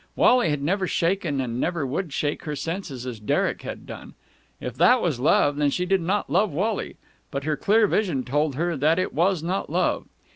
Wally had never shaken and never would shake her senses as Derek had done. If that was love, then she did not love Wally. But her clear vision told her that it was not love.